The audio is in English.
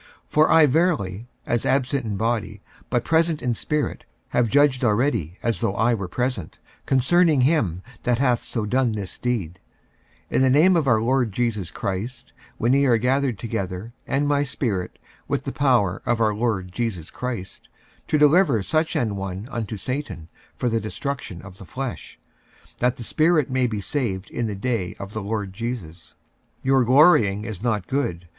46:005:003 For I verily, as absent in body, but present in spirit, have judged already, as though I were present, concerning him that hath so done this deed, 46:005:004 In the name of our Lord Jesus Christ, when ye are gathered together, and my spirit, with the power of our Lord Jesus Christ, 46:005:005 To deliver such an one unto Satan for the destruction of the flesh, that the spirit may be saved in the day of the Lord Jesus. 46:005:006 Your glorying is not good.